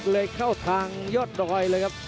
เลยเข้าทางยอดดอยเลยครับ